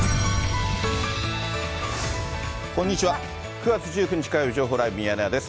９月１９日火曜日、情報ライブミヤネ屋です。